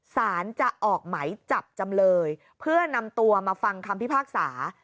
สารจะออกไหมจับจำเลยเพื่อนำตัวมาฟังคำพิพากษา